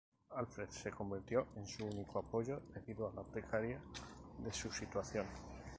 Alfred se convirtió en su único apoyo debido a lo precaria de su situación.